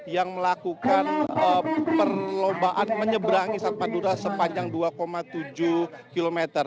yang melakukan perlombaan menyeberangi satpadura sepanjang dua tujuh km